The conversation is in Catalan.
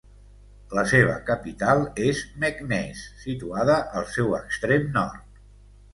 La seva capital és Meknès, situada al seu extrem nord.